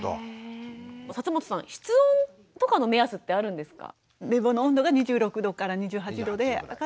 本さん室温とかの目安ってあるんですか？